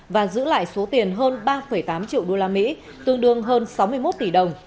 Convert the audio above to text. và giữ lại số tiền hơn ba tám triệu usd tương đương hơn sáu mươi một tỷ đồng